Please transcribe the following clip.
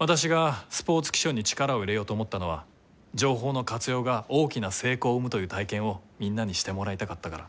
私がスポーツ気象に力を入れようと思ったのは情報の活用が大きな成功を生むという体験をみんなにしてもらいたかったから。